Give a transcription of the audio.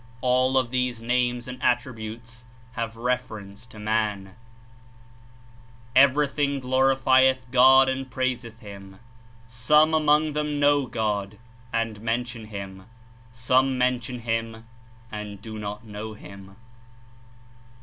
All of these Names and Attributes have reference to man'^ *' Everything glorifieth God and praise th Him. Some among them know God and mention Him; some mention Hirn and do not know Him."